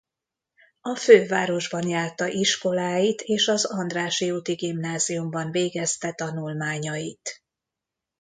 A fővárosban járta iskoláit és az Andrássy úti gimnáziumban végezte tanulmányait.